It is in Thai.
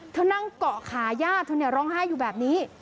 นั่งเกาะขาย่าเธอเนี่ยร้องไห้อยู่แบบนี้